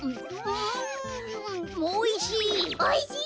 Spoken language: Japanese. んおいしい！